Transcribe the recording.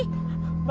bagus ya bagus ya